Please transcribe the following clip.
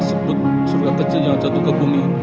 sebut surga kecil yang jatuh ke bumi